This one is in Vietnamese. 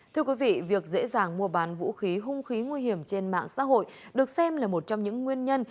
thưa quý vị việc dễ dàng mua bán vũ khí hung khí nguy hiểm trên mạng xã hội được xem là một trong những nguyên nhân